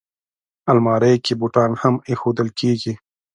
الماري کې بوټان هم ایښودل کېږي